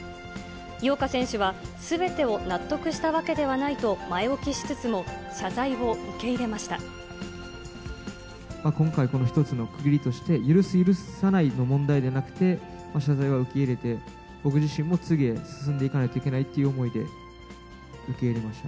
井岡選手は、すべてを納得したわけではないと前置きしつつも、謝罪を受け入れ今回、この一つの区切りとして、許す、許さないの問題ではなくて、謝罪は受け入れて、僕自身も次へ進んでいかないといけないという思いで受け入れました。